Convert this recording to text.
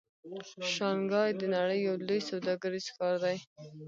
شانګهای د نړۍ یو لوی سوداګریز ښار دی.